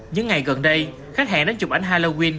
những ngày gần đây khách hẹn đến chụp ảnh halloween